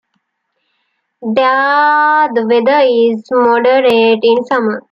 There the weather is moderate in summer.